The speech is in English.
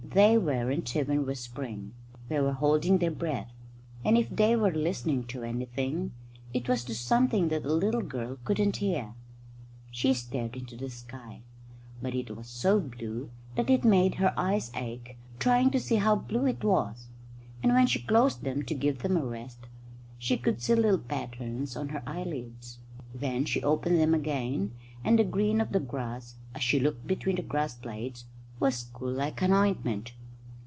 They weren't even whispering. They were holding their breath; and if they were listening to anything, it was to something that a little girl couldn't hear. She stared into the sky, but it was so blue that it made her eyes ache trying to see how blue it was; and when she closed them, to give them a rest, she could see little patterns on her eyelids. Then she opened them again, and the green of the grass, as she looked between the grass blades, was cool like an ointment.